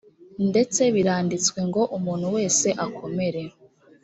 ndetse biranditswe ngo umuntu wese akomere